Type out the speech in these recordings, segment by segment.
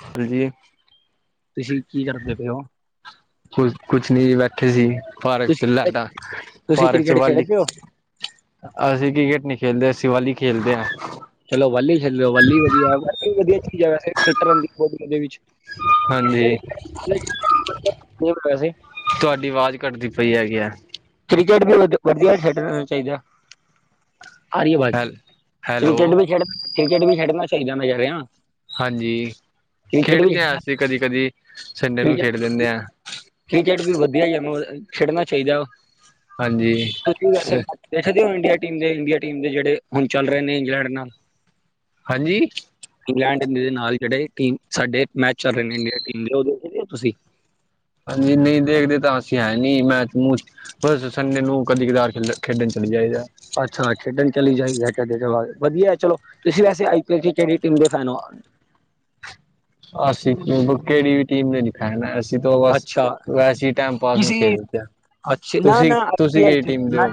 ਹਾਂਜੀ ਤੁਸੀਂ ਕੀ ਕਰਦੇ ਪੇ ਓ? ਕੁ ਕੁਛ ਨੀ ਜੀ ਬੈਠੇ ਸੀ। ਪਾਰਕ ਚ ਲੈਂ ਤੁਸੀਂ ਦਾ ਤੁਸੀਂ ਪਾਰਕ ਚ ਕ੍ਰਿਕਟ ਵਾਲੀ ਖੇਡਦੇ ਹੋ ਅਸੀਂ ਕ੍ਰਿਕਟ ਨੀ ਖੇਲਦੇ ਸ਼ਿਵਾਲੀ ਖੇਲਦੇ ਹਾਂ ਚਲੋ ਵਾਲੀ ਖੇਲ ਰੇਓ ਵਾਲੀ ਵਧੀਆ ਵ ਵਧੀਆ ਚੀਜ਼ ਐ ਵੈਸੇ ਫਿੱਟ ਰਹਿੰਦੀ ਵਾਲੀ ਵਿੱਚ। ਹਾਂਜੀ। ਵੈਸੇ ਤੁਹਾਡੀ ਆਵਾਜ਼ ਕੱਟਦੀ ਪਈ ਹੈਗੀ ਐ। ਕ੍ਰਿਕਟ ਵੀ ਵਧੀਆ ਖੇਡਣਾ ਚਾਹੀਦਾ। ਆ ਰਹੀ ਆਵਾਜ਼ ਹੈਲ ਹੈਲੋ ਕ੍ਰਿਕਟ ਵੀ ਖੇਡ ਕ੍ਰਿਕਟ ਵੀ ਖੇਡਣਾ ਚਾਈਦਾ ਮੈ ਕਹਿ ਰਿਆ। ਹਾਂਜੀ ਖੇਡਦੇ ਹਾਂ ਅਸੀਂ ਕਦੀ ਕਦੀ ਸੰਡੇ ਨੂੰ ਕ੍ਰਿਕਟ ਖੇਡ ਦਿੰਦੇ ਹਾਂ। ਕ੍ਰਿਕਟ ਵੀ ਵਧੀਆ ਹੀ ਮ ਖੇਡਣਾ ਚਾਹੀਦਾ ਉਹ ਹਾਂਜੀ। ਤੁਸੀਂ ਵੈਸੇ ਦੇਖਦੇ ਹੋ ਇੰਡੀਆ ਟੀਮ ਦੇ ਇੰਡੀਆ ਟੀਮ ਦੇ ਜਿਹੜੇ ਹੁਣ ਚੱਲ ਰਹੇ ਨੇ ਇੰਗਲੈਂਡ ਨਾਲ। ਹਾਂਜੀ ਇੰਗਲੈਂਡ ਨਾਲ ਜਿਹੜੇ ਟੀਮ ਸਾਡੇ ਮੈਚ ਚੱਲ ਰਹੇ ਨੇ ਇੰਡੀਆ ਟੀਮ ਉਹ ਦੇਖਦੇ ਹੋ ਤੁਸੀਂ ਹਾਂਜੀ ਨਈ ਦੇਖਦੇ ਤਾਂ ਅਸੀਂ ਐ ਨੀ ਮੈਂਚ ਮੂਚ। ਬਸ ਸੰਡੇ ਨੂੰ ਕਦੀ ਕਦਾਰ ਖੇਲਣ ਖੇਡਣ ਚਲੀ ਜਾਈ ਦਾ। ਅੱਛਾ ਖੇਡਣ ਚਲੀ ਜਾਈ ਐ ਕਦੇ ਵਧੀਆ ਐ ਚਲੋ ਤੁਸੀਂ ਵੈਸੇ ਆਈ ਪੀ ਐਲ ਦੀ ਕਿਹੜੇ ਟੀਮ ਦੇ ਫੈਨ ਹੋ। ਹਸੀਖ ਕਿਹੜੀ ਵੀ ਟੀਮ ਨੇ ਹੈ ਨਾ ਐਸੀ ਤਾਂ ਬਸ ਅੱਛਾ ਵਸੀੇ ਟਾਈਮ ਪਾਸ ਨੂੰ ਕਿਸੀ ਖੇਲਦੇ ਆ ਅੱਛਾ ਨਾ ਤੁਸੀਂ ਨਾ ਆਈ ਪੀ ਤੁਸੀਂ ਐਲ ਕਿਹੜੀ ਚ ਟੀਮ ਦੇ ਮੈਂ ਹੋ।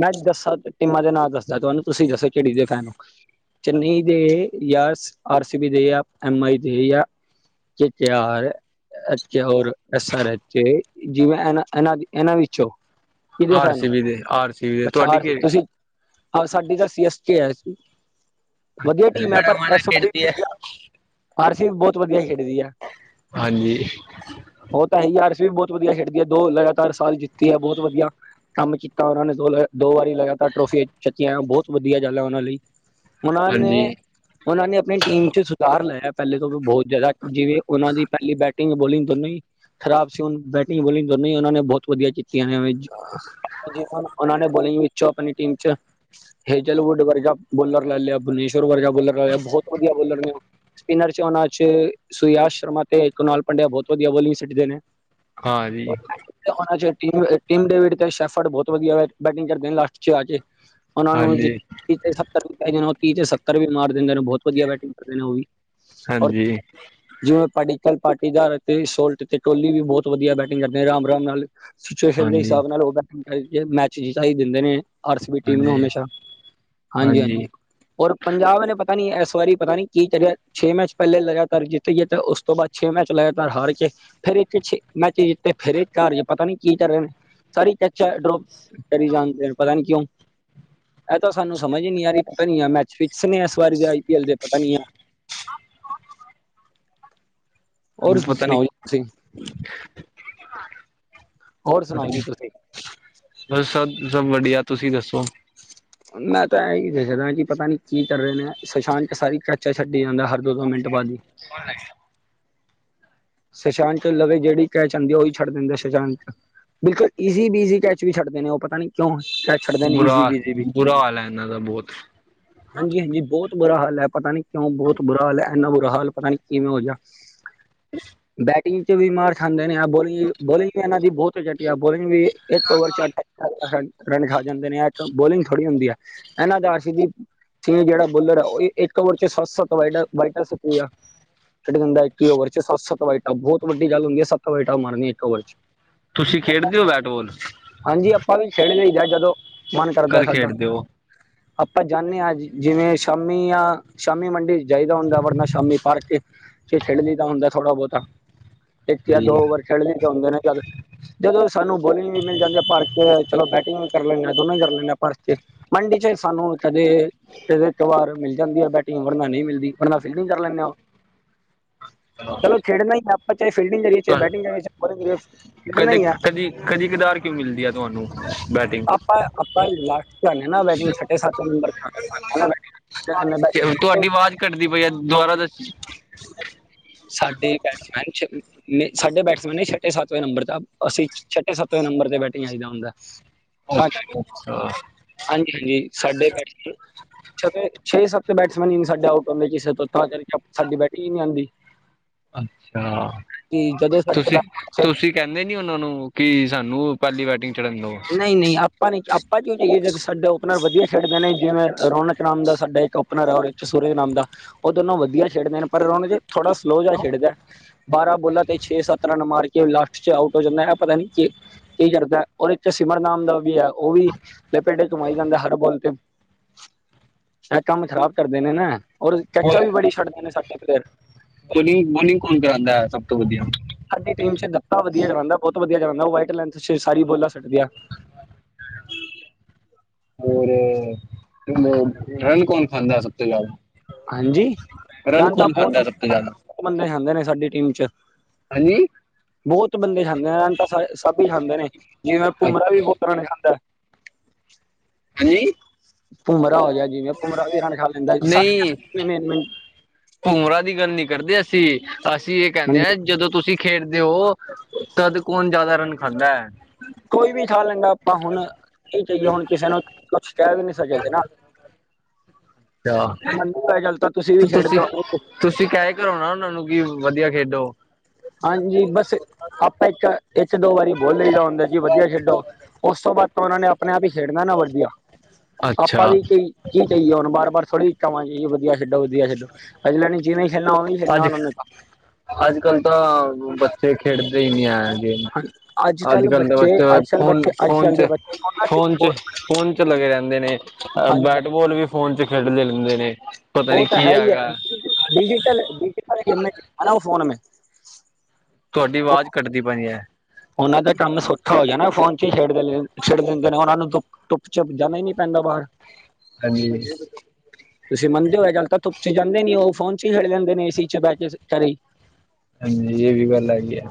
ਮੈਂ ਦੱਸਾਂ ਟੀਮਾਂ ਦੇ ਨਾਂਅ ਦੱਸਦਾ ਤੁਹਾਨੂੰ ਤੁਸੀਂ ਦੱਸੋ ਕਿਹੜੀ ਦੇ ਫੈਨ ਓ? ਚੇਨਈ ਦੇ ਜਾਂ ਆਰ ਸੀ ਬੀ ਦੇ ਜਾਂ ਐਮ ਆਈ ਦੇ ਜਾਂ ਚ ਤੇਰਾ ਕਿ ਹੋਰ ਐ ਸਾਰਿਆ ਜਿਵੇਂ ਇਹਨਾਂ-ਇਹਨਾਂ ਦੀ ਇਹਨਾਂ ਵਿੱਚੋਂ। ਕਿਦੇ ਆਰ ਸੀ ਸਨੂੰ ਬੀ ਦੇ ਆਰ ਸੀ ਬੀ ਦੇ ਤੁਹਾਡੀ ਪਛਾਰ ਕਿਹੜੀ ਤੁਸੀਂ ਹਾਂ ਸਾਡੀ ਤਾਂ ਸੀ ਐਸ ਟੀ ਹੈ। ਵਧੀਆ ਟੀਮ [unintelligible] ਆਰਸੀ ਵੀ ਬਹੋਤ ਵਧੀਆ ਖੇਡਦੀ ਐ। ਹਾਂਜੀ। ਉਹ ਤਾਂ ਹੈ ਈ, ਆਰਸੀ ਵੀ ਬਹੋਤ ਵਧੀਆ ਖੇਡਦੀ ਐ, ਦੋ ਲਗਾਤਾਰ ਸਾਲ ਜਿੱਤੀ ਐ, ਬਹੁਤ ਵਧੀਆ। ਕੰਮ ਕੀਤਾ ਉਹਨਾਂ ਨੇ, ਦੋਲ ਦੋ ਵਾਰੀ ਲਗਾਤਾਰ ਟਰੋਫੀਆਂ ਜਿੱਤਿਆ ਏ, ਬਹੋਤ ਵਧੀਆ ਗੱਲ ਹੈ ਉਹਨਾਂ ਲਈ। ਉਹਨਾਂ ਹਾਂਜੀ ਨੇ, ਉਹਨਾਂ ਨੇ ਆਪਣੀ ਟੀਮ ਚ ਸੁਧਾਰ ਲੈ ਆਇਆ, ਪਹਿਲੇ ਤੋਂ ਵੀ ਬਹੋਤ ਜ਼ਿਆਦਾ। ਜਿਵੇਂ ਉਹਨਾਂ ਦੀ ਪਹਿਲੀ ਬੈਟਿੰਗ ਬੋਲਿੰਗ ਦੋਨੋਂ ਈ ਖਰਾਬ ਸੀ, ਹੁਣ ਬੈਟਿੰਗ ਬੋਲਿੰਗ ਦੋਨੋਂ ਈ ਉਹਨਾਂ ਨੇ ਬਹੁਤ ਵਧੀਆ ਕੀ ਕਿਆ ਨੇ ਵਿਜ, ਉਹਨਾਂ ਨੇ ਬੋਲਿੰਗ ਵਿੱਚੋਂ ਆਪਣੀ ਟੀਮ ਚ ਹੇਜਲਵੁੱਡ ਵਰਗਾ ਬੋਲਰ ਲੈ ਲਿਆ, ਭੁਨੇਸ਼ਵਰ ਵਰਗਾ ਬੋਲਰ ਲੈ ਲਿਆ, ਬਹੋਤ ਵਧੀਆ ਬੋਲਰ ਨੇ ਉਹ। ਸਪਿਨਰ ਚ ਉਹਨਾ ਚ, ਸੁਰਯਾਸ ਸ਼ਰਮਾ ਤੇ ਕੌਣਾਲ ਪੰਡਿਆ, ਬਹੁਤ ਵਧੀਆ ਬੋਲਿੰਗ ਸਿੱਟਦੇ ਨੇ। ਹਾਂਜੀ। ਤੇ ਉਹਨਾਂ ਚ ਟੀਮ ਅ ਟੀਮ ਡੇਵੇਡ ਕੇ ਸ਼ੇਫਰਡ ਬਹੁਤ ਵਧੀਆ ਬੈਟਿੰਗ ਕਰਦੇ ਨੇ ਲਾਸਟ ਚ ਆ ਜੇ। ਉਹਨਾਂ ਨੂੰ ਜੇ ਹਾਂਜੀ ਤੀਹ ਤੇ ਸੱਤਰ ਵੀ ਪੈ ਜਾਨ, ਉਹ ਤੀਹ ਤੇ ਸੱਤਰ ਵੀ ਮਾਰ ਦਿੰਦੇ ਨੇ ਬਹੁਤ ਵਧੀਆ ਬੈਟਿੰਗ ਕਰਦੇ ਨੇ ਉਹ ਵੀ, ਔਰ ਹਾਂਜੀ ਜਿਵੇਂ ਪਾਟੀਕਲ ਪਾਰਟੀਦਾਰ ਤੇ ਸ਼ੋਲ ਤੇ-ਤੇ ਟੋਲੀ ਵੀ ਬਹੋਤ ਵਧੀਆ ਬੈਟਿੰਗ ਕਰਦੇ, ਰਾਮ-ਰਾਮ ਨਾਲ, ਸਚੁਏਸ਼ਨ ਦੇ ਹਾਂਜੀ ਹਿਸਾਬ ਨਾਲ [unintelligible] ਮੈਚ ਜੀਤਾ ਹੀ ਦਿੰਦੇ ਨੇ, ਆਰ ਸੀ ਟੀਮ ਨੂੰ ਹਾਂਜੀ ਹਮੇਸ਼ਾ, ਹਾਂਜੀ ਹਾਂਜੀ-ਹਾਂਜੀ। ਔਰ ਪੰਜਾਬ ਨੇ ਪਤਾ ਨੀ, ਏਸ ਵਾਰੀ ਪਤਾ ਨੀ ਕੀ ਕਰਿਆ? ਛੇ ਮੈਚ ਪਹਿਲੇ ਲਗਾਤਾਰ ਜਿੱਤ ਗਈ, ਤੇ ਉਸ ਤੋਂ ਬਾਅਦ ਛੇਹ ਮੈਚ ਲਾਏ ਤਾ ਹਾਰ ਕੇ ਫੇਰ ਇੱਥੇ ਛੇ, ਮੈਚ ਜਿੱਤੇ ਫਿਰ ਏ ਕਾਰਜ ਪਤਾ ਨੀ ਕੀ ਕਰਨ? ਸਾਰੀ ਕੇਚਾਂ ਡਰੋ ਕਰੀ ਜਾਣਦੇ, ਪਤਾ ਨੀ ਕਿਉਂ? ਏਹ ਤਾਂ ਸਾਨੂੰ ਸਮਝ ਈ ਨੀ ਆ ਰਹੀ, ਪਤਾ ਨੀ ਯਾ ਮੈਚ ਫਿਕਸ ਨੇ, ਏਸ ਵਾਰੀ ਦੇ ਆਈ ਪੀ ਐਲ ਦੇ, ਪਤਾ ਨੀ ਯਾ ਔਰ ਬੀ ਪਤਾ ਨੀ ਸੁਣਾਓ ਜੀ ਤੁਸੀਂ? ਹੋਰ ਸੁਣਾਓ ਜੀ ਤੁਸੀਂ? ਬਸ ਸਭ, ਸਭ ਵਦੀਆ, ਤੁਸੀਂ ਦੱਸੋ? ਮੈਂ ਤਾਂ ਐਈ ਦੇਖ ਰੇਆ ਜੀ, ਪਤਾ ਨੀ ਕੀ ਕਰ ਰਏ ਨੇ ਏਹ? ਸੁਸ਼ਾਂਕ ਕ ਸਾਰੀ ਕੇਚਾ ਛੱਡੀ ਜਾਂਦਾ ਹਰ ਦੋ-ਦੋ ਮਿੰਟ ਬਾਅਦ ਈ। ਕੌਣ ਲੈ ਗਿਆ? ਸੁਸ਼ਾਂਤ ਢਿੱਲੋਂ ਤੇ ਜਿਹੜੀ ਕੈਚ ਆਂਦੀ, ਉਹੀ ਛੱਡ ਦਿੰਦੇ ਸੁਸ਼ਾਂਤ। ਬਿਲਕੁਲ ਈਜ਼ੀ ਬੀਜ਼ੀ ਕੈਚ ਵੀ ਛੱਡਦੇ ਨੇ ਉਹ, ਪਤਾ ਨੀ ਕਿਉਂ? ਕੈਚ ਛੱਡਦੇ ਨੇ ਬੁਰਾ ਈਜ਼ੀ ਬੀਜ਼ੀ ਵੀ, ਬੁਰਾ ਹਾਲ ਹੈ ਇਹਨਾਂ ਦਾ ਬਹੁਤ ਹਾਂਜੀ-ਹਾਂਜੀ ਬਹੋਤ ਬੁਰਾ ਹਾਲ ਹੈ, ਪਤਾ ਨੀ ਕਿਉਂ ਬਹੋਤ ਬੁਰਾ ਹਾਲ ਹੈ? ਐੰਨਾ ਬੁਰਾ ਹਾਲ ਪਤਾ ਨੀ ਕਿਵੇਂ ਹੋ ਜਾਹਾ? [inaudible] ਬੈਟਿੰਗ ਚ ਵੀ ਮਾਰ ਖਾਨੇ ਨੇ ਆ, ਬੋਲਿੰ ਬੋਲਿੰਗ ਵੀ ਇਹਨਾਂ ਦੀ ਬਹੋਤ ਝਟੀਆ ਏ, ਬੋਲਿੰਗ ਵੀ ਇੱਕ ਓਵਰ ਚ ਅ ਰਨ, ਰਨ ਖਾ ਜਾਂਦੇ ਨੇ, ਏਹ ਇੱਕ ਬੋਲਿੰਗ ਥੋੜ੍ਹੀ ਹੁੰਦੀ ਹੈ, ਏਹਨਾਂ ਦਾਸ਼ ਦੀ ਚੀ ਜੇਅੜਾ ਬੋਲਰ ਆ, ਉਹ ਈ ਇੱਕ ਔਵਰ ਚ ਸੱਤ-ਸੱਤ ਵਾਈਡਾ ਵਾਇਟਾ ਸਟੀਆ। ਛੱਡ ਦਿੰਦਾ ਇੱਕ ਈ ਓਵਰ ਚ, ਸੱਤ-ਸੱਤ ਵਾਈਟਾਂ, ਬਹੋਤ ਵੱਡੀ ਗੱਲ ਹੁੰਦੀ ਐ, ਸੱਤ ਵਾਈਟਾਂ ਮਾਰਨੀਆਂ ਇੱਕ ਓਵਰ ਚ। ਤੁਸੀਂ ਖੇਡਦੇ ਔ ਵੈਟਵੋਲ? ਹਾਂਜੀ, ਅਪਾਂ ਵੀ ਖੇਡ ਲਈ ਜਾ, ਜਦੋਂ ਮਨ ਕਰਦਾ ਏ ਕਦ ਸਾਡਾ। ਖੇਡਦੇ ਹੋ ਅਪਾਂ ਜਾਨੇ ਆ, ਜ ਜਿਵੇਂ ਸ਼ਾਮੀ ਯਾ ਸ਼ਾਮੀ ਮੰਡੇ ਜਾਈਦਾ ਹੁੰਦਾ, ਵਰਨਾ ਸ਼ਾਮੀ ਪਾਰਕ ਥੇ ਖੇਡ ਲਈਦਾ ਹੁੰਦਾ ਥੋੜਾ ਬਹੁ ਇੱਕ ਯਾ ਦੋ ਓਵਰ ਖੇਡ ਲਈ ਦੇ ਹੁੰਦੇ ਨੇ ਜਦ ਜਦੋਂ ਸਾਨੂੰ ਬੋਲਿੰਗ ਵੀ ਮਿਲ ਜਾਂਦੀ ਐ ਪਾਰਕ ਚ, ਚਲੋ ਬੈਟਿੰਗ ਵੀ ਕਰ ਲੈਂਣੇ ਆ, ਦੋਨੋਂ ਈ ਕਰ ਲੈਣੇ ਆ ਪਾਰਕ ਚ। ਮੰਡੀ ਚ ਸਾਨੂੰ ਕਦੇ ਕਿਦੇ ਕਵਾਰ ਮਿਲ ਜਾਂਦੀ ਐ ਬੈਟਿੰਗ, ਵਰਨਾ ਨਈ ਮਿਲਦੀ, ਵਰਨਾ ਫੀਲਡਿੰਗ ਕਰ ਲੈਂਨਾ ਖੇਡਨਾ ਈ ਏ ਅਪਾਂ, ਚਾਏ ਫਿਲਡਿਗ ਕਰੀਏ, ਚਾਏ ਬੈਟਿੰਗ ਕਰੀਏ [unintelligible] ਕਦੇ ਹੈ ਕਦੀ, ਕਦੀ ਕਦਾਰ ਕਿਉਂ ਮਿਲਦੀ ਐ ਤੁਆਨੂੰ? ਆਪਾਂ ਅਪਾਂ ਲਾਟ ਤੇ ਆਨੇ ਆ ਨਾ, ਵੈਡਿੰਗ ਛਟੇ ਸੱਤ ਨੰਬਰ [unintelligible] [unintelligible] ਕੱਟਦੀ ਪਈ ਐ, ਦੁਵਾਰਾ ਦਸ ਸਾਡੇ ਈ ਬੈਟਸ ਨਾਈ ਛਵੀ ਸਾਡੇ ਬੈਟਸਮੈਨ ਨੇ ਛਟੇ ਸਾਤਵੇਂ ਨੰਬਰ ਤ, ਅਸੀ ਛਟੇ ਸੱਤਵੇ ਨੰਬਰ ਤੇ ਬੈਟਿੰਗ ਆਈ ਦਾ ਹੁੰਦਾ ਏ। ਹਾਂ ਜੀ। ਅੱਛਾ ਹਾਂਜੀ-ਹਾਂਜੀ ਸਾਡੇ ਬੈਠਸ। ਛ ਛੇ [inaudible] ਸੱਤ ਬੈਟਸਮੈਨ ਹੀ ਸਾਡੇ ਆਊਟ ਹੁੰਦੇ ਕਿਸੇ ਤੋਂ ਤਾਂ ਸਾਡੀ ਬੈਟਿੰਗ ਹੀ ਨਹੀਂ ਉਂਦੀ। ਅੱਛਾ ਕਿ ਜਦੋਂ ਸਾਡੇ ਤੁਸੀਂ ਤੁਸੀਂ ਕਹਿੰਦੇ ਨੀ ਉਹਨਾਂ ਨੂੰ ਕਿ ਸਾਨੂੰ ਪਾਲੀ ਬੈਟਿੰਗ। ਚੜਨ ਦੋ ਨਹੀਂ ਨਹੀਂ ਆਪ ਆਪਾਂ ਨੀ ਆਪਾਂ ਕਹੀ ਜਦ ਸਾਡਾ ਓਪਨਰ ਵਧੀਆ ਖੇਡਦੇ ਨੇ ਜਿਵੇਂ ਰੌਨਕ ਨਾਮ ਦਾ ਸਾਡਾ ਇੱਕ ਸੂਰਜ ਨਾਮ ਦਾ ਉਹ ਦੋਨੋ ਵਧੀਆ ਖੇਡਦੇ ਨੇ ਪਰ ਰੌਣਕ ਜੇ ਥੋੜਾ ਸਲੋਅ ਜਿਹਾ ਖੇਡਦਾ। ਬਾਰਾਂ ਬੋਲਾਂ ਤੇ ਛੇ ਸੱਤ ਰਨ ਮਾਰ ਕੇ ਲਾਸਟ 'ਚ ਆਊਟ ਹੋ ਜਾਂਦਾ ਐ ਪਤਾ ਨੀ ਕੀ, ਕੀ ਕਰਦਾ ਐ। ਉਹਦੇ ਚ ਸਿਮਰ ਨਾਮ ਦਾ ਵੀ ਹੈ ਉਹ ਵੀ ਲਪੇਡੇ ਘੁਮਾਈ ਜਾਂਦੇ ਹਰ ਬੋਲ ਤੇ। ਚਾਹੇ ਕੰਮ ਖ਼ਰਾਬ ਕਰਦੇ ਨੇ ਨਾ ਔਰ ਕੈਚਾਂ ਵੀ ਬੜੀ ਛੱਡਦੇ ਨੇ ਸਾਡੇ ਪਲੇਅਰ। ਬੋਲਿੰਗ ਬੋਲਿੰਗ ਕੌਣ ਕਰਾਉਦਾ ਸਭ ਤੋਂ ਵਧੀਆ। ਸਾਡੀ ਟੀਮ ਚ ਦੱਤਾ ਵਧੀਆ ਚ ਜਾਂਦਾ ਬਹੁਤ ਵਧੀਆ ਜਾਂਦਾ ਉਹ ਵਾਈਟ ਲੈਂਥ ਚ ਸਾਰੀ ਬੋਲਾਂ ਸੁੱਟਦੀ ਆ। ਹੋਰ ਮਤਲਬ ਰਨ ਕੌਣ ਖਾਂਦਾ ਸਭ ਤੋਂ ਜ਼ਿਆਦਾ? ਹਾਂਜੀ ਰਨ ਤਾਂ ਕੌਣ ਬਹੁਤ ਖਾਂਦਾ ਸਭ ਤੋਂ ਜ਼ਿਆਦਾ ਬਤ ਬੰਦੇ ਖਾਂਦੇ ਨੇ ਸਾਡੀ ਟੀਮ 'ਚ। ਹਾਂਜੀ ਬਹੁਤ ਬੰਦੇ ਖਾਂਦੇ ਤਾਂ ਸਭ ਹੀ ਖਾਂਦੇ ਨੇ ਜਿਵੇਂ ਭੁੰਮਰਾ ਵੀ ਬਹੁਤ ਰਨ ਖਾਂਦਾ। ਹਾਂਜੀ ਭੁੰਮਰਾ ਹੋ ਗਿਆ ਜਿਵੇਂ ਭੁੰਮਰਾ ਵੀ ਰਨ ਖਾ ਲੈਂਦਾ ਈ ਸਾਰੇ ਮੇਨ ਮੇਨ। ਭੁੰਮਰਾ ਦੀ ਗੱਲ ਨੀ ਕਰਦੇ ਅਸੀਂ, ਅਸੀਂ ਇਹ ਕਹਿੰਨੇ ਹਾਂਜੀ ਆ ਜਦੋਂ ਤੁਸੀਂ ਖੇਡਦੇ ਉ। ਤਦ ਕੌਣ ਜ਼ਿਆਦਾ ਰਨ ਖਾਂਦਾ ਐ। ਕੋਈ ਵੀ ਖਾ ਲੈਂਦਾ ਆਪਾਂ ਹੁਣ ਇਹ ਕਹੀਏ ਹੁਣ ਕਿਸੇ ਨੂੰ ਕੁਛ ਕਹਿ ਵੀ ਨੀ ਸਕਦੇ ਨਾ। ਅੱਛਾ ਮੰਨੂੰ ਚੱਲ ਤਾਂ ਤੁਸੀਂ ਵੀ ਛੱਡ ਦਓ। ਤੁਸੀਂ ਕਹਿ ਕਰੋ ਨਾ ਉਹਨਾਂ ਨੂੰ ਕਿ ਵਧੀਆ ਖੇਡੋ। ਹਾਂਜੀ ਬਸ। ਆਪਾਂ ਇੱਕ ਇੱਕ ਦੋ ਵਾਰੀ ਬੋਲੇ ਆ ਹੁੰਦਾ ਜੀ ਵਧੀਆ ਖੇਡੋ, ਉਸ ਤੋਂ ਬਾਅਦ ਤਾਂ ਉਹਨਾਂ ਨੇ ਆਪਣੇ ਆਪ ਹੀ ਖੇੜਨਾ ਨਾ ਵਧੀਆ ਆਪਾਂ ਅੱਛਾ ਵੀ ਕਈ। ਕੀ ਕਹੀਏ ਹੁਣ ਬਾਰ ਬਾਰ ਥੋੜ੍ਹੀ ਕਹਵਾਗੇ ਕਿ ਵਧੀਆ ਖੇਡੋ ਵਧੀਆ ਖੇਡੇ ਅਜਲਾ ਨੀ ਜਿਵੇਂ ਖੇਡਣਾ ਉਵੇ ਵੀ ਖੇਡਣਾ ਉਹਨਾਂ ਅੱਜ ਨੇ ਤਾਂ। ਅੱਜ ਕੱਲ੍ਹ ਤਾਂ ਬੱਚੇ ਖੇਡਦੇ ਹੀ ਨਹੀਂ ਆ। ਤਾਂ ਅੱਜ ਕੱਲ੍ਹ ਕੱਲ ਦੇ ਬੱਚੇ ਅੱਜ ਕੱਲ੍ਹ ਫੋਨ ਬੱਚੇ ਅੱਜ ਫੋਨ ਕੱਲ੍ਹ ਦੇ ਚ ਬੱਚੇ ਉਹਨਾਂ ਫੋਨ ਚ। ਬਹੁਤ ਫੋਨ ਚ ਲੱਗੇ ਰਹਿੰਦੇ ਨੇ ਹਾਂਜੀ ਬੈਟਬੋਲ ਵੀ ਫੋਨ ਚ ਖੇਡਦੇ ਰਹਿੰਦੇ ਨੇ। ਪਤਾ ਨੀ ਕੀ ਹੈਗਾ? ਡਿਜੀਿਟਲ ਡਿਜੀਿਟਲ ਗੇਮ ਹਨ ਉਹ ਫੋਨ ਮੈਂ। ਤੁਹਾਡੀ ਆਵਾਜ਼ ਕੱਟਦੀ ਪਈ ਹੈ। ਉਹਨਾਂ ਦਾ ਕੰਮ ਸੋਖਾ ਹੋ ਜਾਨਾ ਫੋਨ ਚ ਹੀ ਛੇਡ ਛੇਡ ਦਿੰਦੇ ਨੇ। ਉਹਨਾਂ ਨੂੰ ਧੁੱਪ ਚੁੱਪ ਜਾਣਾ ਹੀ ਨੀ ਪੈਂਦਾ ਬਾਹਰ। ਹਾਂਜੀ। ਤੁਸੀਂ ਮੰਨਦੇ ਹੋ ਇਹ ਗੱਲ ਤਾਂ ਧੁੱਪ ਚ ਜਾਂਦੇ ਨੀ ਉਹ ਫੋਨ ਚ ਹੀ ਰਹਿ ਜਾਂਦੇ ਨੇ ਏ ਸੀ ਚ ਬੈਕੇ ਘਰੀ। ਹਾਂਜੀ, ਇਹ ਵੀ ਗੱਲ ਹੈਗੀ ਆ।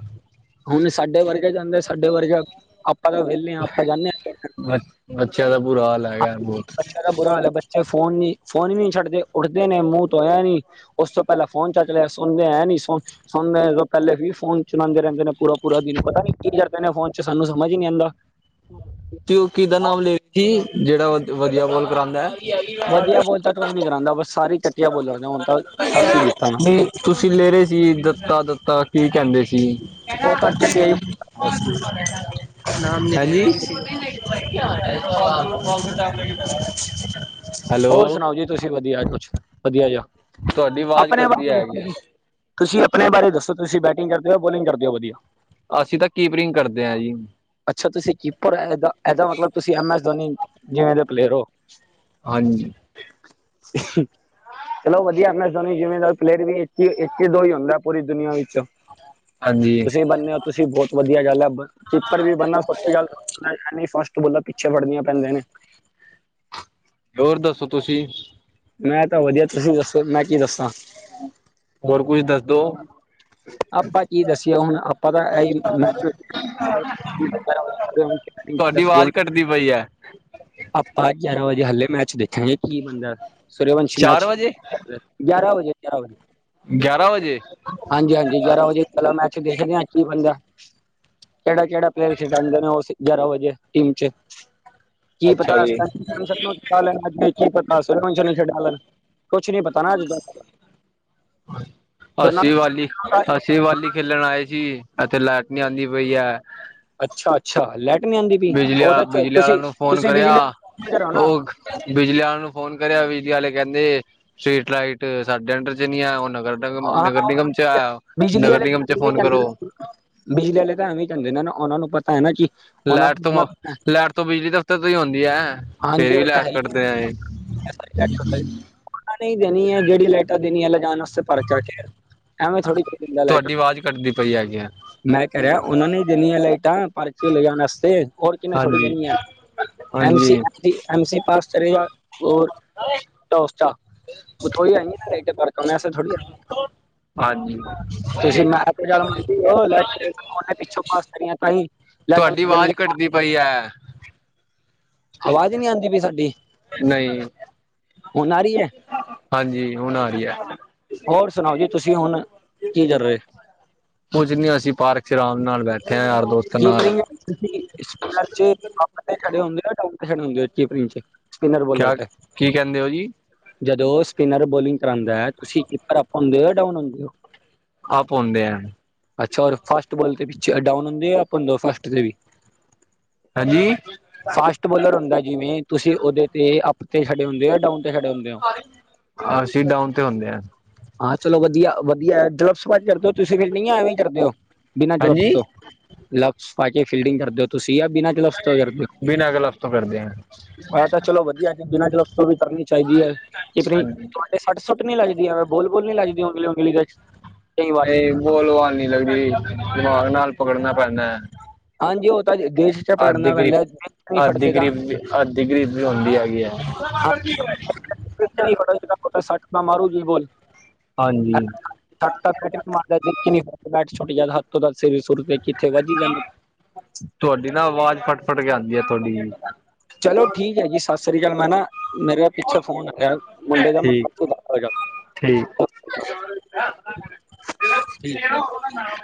ਹੁਣ ਸਾਡੇ ਵਰਗੇ ਜਾਂਦੇ ਸਾਡੇ ਵਰਗੇ ਆਪਾਂ ਤਾਂ ਵਿਹਲੇ। ਵਿਹਲੇ ਆ ਆਪਾਂ ਜਾਂਦੇ ਹਾਂ ਖੇਡਣ ਬੱਚਿਆਂ ਦਾ ਬੁਰਾ ਹਾਲ ਹੈਗਾ ਅੱਛਾ। ਬਹੁਤ ਬੜਾ ਬੁਰਾ ਹਾਲੇ ਬੱਚੇ ਫੋਨ ਨੀ ਫੋਨ ਹੀ ਨੀ ਛੱਡਦੇ ਉੱਠਦੇ ਨੇ ਮੂੰਹ ਧੋਇਆ ਨਹੀ। ਉਸ ਤੋਂ ਪਹਿਲਾਂ ਫੋਨ ਚੁੱਕ ਲਿਆ ਸੁਣਦੇ ਐਂ ਨੀ ਸੁ ਸੁਣਨ ਪਹਿਲੇ ਵੀ ਫੋਨ ਚਲਾਉਦੇ ਰਹਿੰਦੇ ਨੇ। ਪੂਰਾ ਪੂਰਾ ਦਿਨ ਪਤਾ ਨੀ ਕੀ ਕਰਦੇ ਨੇ ਫੋਨ ਚ ਸਾਨੂੰ ਸਮਝ ਹੀ ਨਹੀਂ ਆਂਦਾ। ਉਹ ਕਿਦਾ ਨਾਮ ਲੇ ਸੀ ਜਿਹੜਾ ਵਧੀਆ ਬੋਲ ਕਰਾਉਂਦਾ ਹੈ। ਵਧੀਆ ਬੋਲ ਤਾਂ ਕੋਈ ਨੀ ਕਰਾਉਂਦਾ ਬਸ ਸਾਰੀ ਘਟੀਆ ਬੋਲ ਹੁਣ ਤਾਂ ਦੱਸ ਹੀ ਦਿੱਤਾ ਨਾ। ਨਹੀਂ ਤੁਸੀਂ ਲੈ ਰਹੇ ਸੀ ਦਤਾ ਦਤਾ ਕੀ ਕਹਿੰਦੇ ਸੀ। ਉਹ ਤਾਂ ਚਟਿਆ ਜੀ [unintelligible] ਨਾਮ ਹੈ ਜੀ ਹਾਂ। ਹੋਰ ਸੁਣਾਓ ਜੀ ਤੁਸੀਂ ਵਧੀਆ ਕੁਛ ਵਧੀਆ ਜਹਾ ਤੁਹਾਡੀ ਆਵਾਜ਼ ਆਪਣੇ ਕੱਟਦੀ ਬਾਰੇ ਹੈਗੀ ਹੈ ਦੱਸੋ ਤੁਸੀਂ ਆਪਣੇ ਬਾਰੇ ਦੱਸੋ ਤੁਸੀਂ ਬੈਟਿੰਗ ਕਰਦੇ ਹੋ ਬੋਲਿੰਗ ਕਰਦੇ ਹੋ ਵਧੀਆ। ਅਸੀਂ ਤਾਂ ਕੀਪਰਿੰਗ ਕਰਦੇ ਹਾਂ ਜੀ। ਅੱਛਾ ਤੁਸੀਂ ਕੀਪਰ ਇਹਦਾ ਮਤਲਬ ਤੁਸੀਂ ਐਮ ਐਸ ਧੋਨੀ ਜਿਵੇਂ ਦੇ ਪਲੇਅਰ ਹੋ। ਹਾਂਜੀ। [unintelligible] ਚਲੋ ਵਧੀਆ, ਮੈਂ ਸੋਨੀ ਜਿਮੀਂਦਾਰ ਪਲੇਅਰ ਵੀ ਇੱਕ ਦੋ ਹੀ ਹੁੰਦਾ ਪੂਰੀ ਦੁਨੀਆਂ ਵਿੱਚ ਹਾਂਜੀ ਤੁਸੀਂ ਬੰਨੇ ਹੋ ਤੁਸੀਂ ਬਹੁਤ ਵਧੀਆ ਗੱਲ ਹੈ ਚਿੱਪੜ ਵੀ ਬਣਨਾ ਸਚੀ ਗੱਲ। ਨੀ ਫਸਟ ਬੋਲਦਾ ਪਿੱਛੇ ਫੜਦੀੀਆਂ ਪੈਂਦੇਆਂ ਨੇ ਹੋਰ ਦੱਸੋ ਤੁਸੀਂ? ਮੈਂ ਤਾਂ ਵਧੀਆ, ਤੁਸੀਂ ਦੱਸੋ ਮੈਂ ਕੀ ਦੱਸਾਂ? ਹੋਰ ਕੁਝ ਦੱਸਦੋ? ਆਪਾਂ ਕੀ ਦੱਸਿਆ ਹੁਣ ਆਪਾਂ ਤਾਂ ਇ ਮੈਂ [unintelligible] ਤੁਹਾਡੀ ਆਵਾਜ਼ ਕੱਟਦੀ ਪਈ ਹੈ। ਆਪਾਂ ਗਿਆਰਾਂ ਵਜੇ ਹਾਲੇ ਮੈਚ ਦੇਖਾਗੇ ਕੀ ਬੰਦਾ ਸੁਰੇਵੰਸ਼ੀ ਚਾਰ ਮੈਚ ਵਜੇ ਗਿਆਾਰਾਂ ਵਜੇ ਗਿਆਰਾਂ ਵਜੇ ਗਿਆਰਾਂ ਵਜੇ ਜੇ ਗਿਆਰਾਂ ਵਜੇ ਪਹਿਲਾ ਮੈਚ ਦੇਖਦੇ ਹ ਇੱਕੀ ਬੰਦ ਦਾ। ਕਿਹਾ ਕੇਹੜਾ ਪਲੇਅਰ ਸੀ ਅੰਦਰ ਉਹ ਜਾਰ ਹੋ ਜੇ ਟੀਮ ਚ ਕੀ ਅੱਛਾ ਪਤਾਸ ਜੀ ਕੀ ਪਤਾਸ ਨਛੇ ਡਾਲਣ ਕੁਛ ਨੀ ਪਤਾ ਨਾ ਜਦੋਂ, ਦੋਨਾਂ ਅਸੀਂ ਵਾਲੀ ਦਾ ਅਸੀਂ ਵਾਲੀ ਖੇਲਣ ਆਏ ਸੀ ਐਥੇ ਲਾਈਟ ਨਹੀਂ ਆਉਂਦੀ ਪਈ ਹੈ। ਅੱਛਾ, ਅੱਛਾ ਲੈ ਬਿਜਲੀ, ਬਿਜਲੀ ਵਾਲਾ ਨੂੰ ਫੋਨ ਕਰਿਆ ਬਿਜਲੀ ਕਰੋ ਨਾ ਉਹ ਬਿਜਲੀ ਵਾਲਿਆਂ ਨੂੰ ਫ਼ੋਨ ਕਰਿਆ ਬਿਜਲੀ ਵਾਲੇ ਕਹਿੰਦੇ ਸਟ੍ਰਰੀਟ ਲਾਈਟ ਸਾਡੇ ਅੰਡਰ ਚ ਨ ਆ ਉਹ ਨਗਰ ਹਾਂ ਨਗਰ ਨਿਗਮ 'ਚ ਆ, ਬਿਜਲੀ ਨਗਰ ਵਾਲੇ ਨਿਗਮ ਤਾਂ 'ਚ ਐਵੇਂ ਹੀ ਫੋਨ ਕਹਿੰਦੇ ਕਰੋ। ਬਿਜਲੀ ਵਾਲੇ ਤਾਂ ਐਵੇਂ ਜਾਂਦੇ ਨੇ ਨਾ ਉਹਨਾਂ ਨੂੰ ਪਤਾ ਹੈ ਨਾ ਜੀ ਲੈਟ ਤੋਂ ਲੈਟ ਤੋਂ ਬਿਜਲੀ ਦਫ਼ਤਰ ਤੋਂ ਹੀ ਆਉਂਦੀ ਐ, ਹਾਂਜੀ ਫੇਰ ਵੀ ਉਹ ਤਾਂ ਲੈਟ ਹੈ ਕੱਟਦੇ ਏ‌ ਨਹੀਂ ਦੇਣੀ ਹੈ ਜਿਹੜੀ ਲੈਆਟਰ ਦੇਣੀ ਹੈ ਲਿਜਣ ਵਸਤੇ ਪਰਚਾ ਐਵੇ ਥੋੜੀ ਚ ਲੈਟ ਤੁਹਾਡੀ ਆਵਾਜ਼ ਕੱਟਦੀ ਪਈ ਹੈਗੀ ਆ ਮੈਂ ਕਹਿ ਰਿਹਾ, ਉਹਨਾਂ ਨੇ ਦੇਨੀਆਂ ਲਾਈਟਾਂ ਪਾਰਕ ਲੈਣ ਵਸਤੇ, ਹੋਰ ਕਿ ਥੋੜੀ ਹਾਂਜੀ ਦਨੀ ਆ ਐਮ ਸੀ ਹਾਂਜੀ ਐਮ ਸੀ ਪਾਸ ਹੋਰ ਟੋਸਟਾ ਬਥੋਈ ਆਈ [inaudible] ਇਹੇ ਟੈਬਾਰ ਕਮੇਸ ਥੋੜੀ ਐ। ਹਾਂਜੀ। [unintelligible] ਤੁਸੀਂ ਮੈਂ ਤੇ ਜਲ ਦੀ ਹੋ ਲੈ ਉਹਨੇ ਪਿੱਛੋਂ ਪਾਸ ਕਰਆਂ ਭਾਈ [inaudible] ਲੈਟ ਜਨਲ [inaudible] ਘਟਦੀ ਪਈ ਹੈ। ਆਵਾਜ਼ ਨਹੀਂੀ ਆਉਂਦੀ ਪਈ ਸਾਡੀ ਨਹੀਂ ਹੁਣ ਆ ਰਹੀ ਹੈ? ਹਾਂਜੀ ਹੁਣ ਆ ਰਹੀ ਹੈ। ਹੋਰ ਸੁਣਾਓ ਜੀ ਤੁਸੀਂ ਹੁਣ ਕੀ ਕਰ ਰਹੇ ਕੁੱਝ ਨ ਅਸੀਂ ਪਾਰਕ ਚ ਆਰਾਮ ਨਾਲ ਬੈਠ ਕੀਪ ਤੁੰ ਖੜੇ ਹੁੰਦੇ ਖੜੇ ਹੁੰਦੇ ਚਿਪਰੀ ਚ ਸਪਿਨਰ ਬੋਲਰ ਕਿਆ ਤੇ। ਕੀ ਕਹਿੰਦੇ ਹੋ ਜੀ ਜਦੋਂ ਸਪਿਨਰ ਬੋਲਿੰਗ ਕਰਾਉਂਦਾ ਹੈ ਤੁਸੀਂ ਕੀਪਰ ਅਪ ਹੁੰਦੇ ਹੋ ਡਾਊਨ ਹੁੰਦੇ ਹੋ। ਆ ਪਾਉਂਦੇ ਆ। ਅੱਛਾ, ਔਰ ਫਾਸਟ ਬੋਲ ਤੇ ਵੀ ਡਾਊਨ ਹੁੰਦੇ ਫਾਸਟ ਤੇ ਵੀ ਹਾਂਜੀ। ਫਾਸਟ ਬੋਲਰ ਹੁੰਦਾ ਜਿਵੇਂ, ਤੁਸੀਂ ਉਹਦੇ ਤੇ ਅਪ ਤੇ ਖੜੇ ਹੁੰਦੇ ਹੋ, ਡਾਊਨ ਤੇ ਖੜੇ ਹੁੰਦੇ ਹੋ। ਹਾਂ ਅਸੀਂ ਡਾਊਨ ਤੇ ਹੁੰਦੇ ਹਾਂ। ਆ ਚਲੋ ਵਧੀਆ- ਵਧੀਆ ਗਲਬਸ ਪਾ ਕੇ ਕਰਦੇ ਹੋ ਤੁਸੀਂ ਫੇਰ, ਨਹੀਂ ਐਵੇਂ ਕਰਦੇ ਹੋ ਬਿਨਾਂ ਗਲਬਸ ਹਾਂਜੀ ਤੋਂ। ਗਲਬਸ ਪਾ ਕੇ ਫੀਲਡਿੰਗ ਕਰਦੇ ਹੋ ਤੁਸੀਂ, ਜਾ ਬਿਨਾਂ ਯਾ ਬਿਨਾਂ ਗਲਬਸ ਤੋਂ ਕਰ ਦੇ ਬਿਨਾਂ ਗਲਵਸ ਤੋਂ ਹੋ। ਕਰਦੇ ਆ ਆ ਤਾਂ ਚਲੋ ਵਧੀਆ ਬਿਨਾਂ ਗਲਬਸ ਤੋਂ ਵੀ ਕਰਨੀ ਚਾਹੀਦੀ ਹੈ, ਕਿ ਆਪਣੀ ਹਾਂਜੀ ਤੁਹਾਡੇ ਸੱਟ ਸੁੱਟ ਨੀ ਲੱਗਦੀ ਹੈ। ਬੋਲ- ਬੁਲ ਨੀ ਲਗਦੀਂ ੳਗਲੀ- ਉਂਗਲੀ ਵਿੱਚ? ਨਹੀਂ ਬੋਲ ਵਾਲ ਨਹੀਂ ਲੱਗਦੀ, ਦਿਮਾਗ ਨਾਲ ਪਕੜਨਾ ਪੈਂਦਾ। ਹਾਂਜੀ, ਉਹ ਤਾਂ ਦੇਸ਼ ਚ ਪੜਨਾ ਪੈਂਦਾ ਵਿੱਚ ਨਹੀਂ ਅੱਥ ਦੀ ਫੜਦੇ ਤਾਂ ਗਰੀਬ ਵੀ, ਅੱਥ ਦੀ ਗਰੀਬ ਵੀ ਹੁੰਦੀ ਹੈਗੀ ਹੈ। ਹਾਂ ਵਿੱਚ ਨਹੀਂ ਫੜਦੇ ਤਾਂ ਸੱਟ ਤਾਂ ਮਾਰੁਗੀ ਬਾਲ। ਹਾਂਜੀ ਸਤ ਬੈਟ ਮਾਰਦਾ ਨੀ ਬੈਠਛੱਟਦਾ ਹੱਥ ਤੋਂ ਦੱਸ ਸ ਸੁਰ ਕਿੱਥੇ ਵੱਜ ਹੀ ਜਾਂਦੀ। ਤੁਹਾਡੀ ਨਾ ਆਵਾਜ਼ ਫਟ- ਫਟ ਕੇ ਆਉਂਦੀ ਹੈ ਤੁਹਾਡੀ ਚਲੋਂ ਠੀਕ ਐ ਜੀ, ਸਤਿ ਸ਼੍ਰੀ ਅਕਾਲ, ਮੈਂ ਨਾ ਮੇਰਾ ਪਿੱਛੇ ਫੋਨ ਆਯਾ ਮੁੰਡੇ ਦਾ, ਮੈਂ ਠੀਕ ਬਾਦ ਚ ਕਰਦਾ ਠੀਕ ਗੱਲ। [unintelligible]